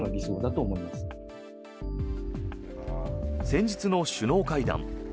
先日の首脳会談。